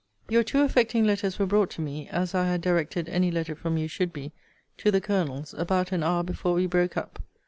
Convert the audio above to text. Your two affecting letters were brought to me (as I had directed any letter from you should be) to the Colonel's, about an hour before we broke up.